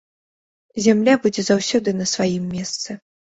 Зямля будзе заўсёды на сваім месцы.